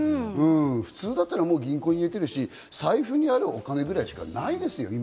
普通だったら銀行に入れてるし、財布にあるお金ぐらいしかないですよ、今。